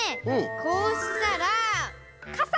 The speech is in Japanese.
こうしたらかさ！